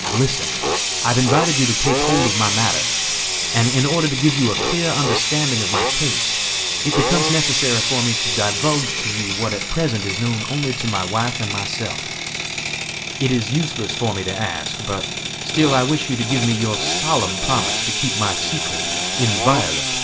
Now listen: I have invited you to take hold of my matters, and in order to give you a clear understanding of my case, it becomes necessary for me to divulge to you what at present is known only to my wife and myself. It is useless for me to ask, but still I wish you to give me your solemn promise to keep my secret inviolate."